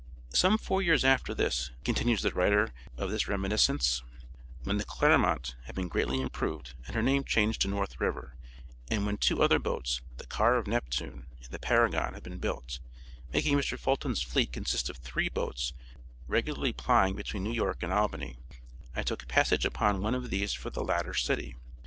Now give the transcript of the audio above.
"Some four years after this," continues the writer of this reminiscence, "when the Clermont had been greatly improved, and her name changed to North River, and when two other boats, the Car of Neptune and the Paragon had been built, making Mr. Fulton's fleet consist of three boats regularly plying between New York and Albany, I took passage upon one of these for the latter city.